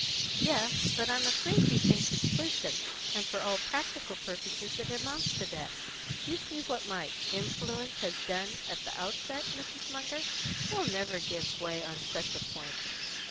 "Yes; but I'm afraid he thinks it's wisdom, and for all practical purposes it amounts to that. You see what my 'influence' has done at the outset, Mrs. Munger. He'll never give way on such a point."